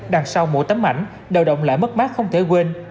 đằng sau mỗi tấm ảnh đều động lại mất mát không thể quên